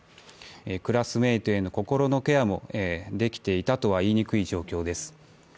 クラスメートへの心のケアもできていたとはいえない状況です。